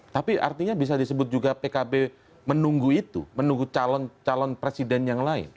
tapi artinya bisa disebut juga pkb menunggu itu menunggu calon presiden yang lain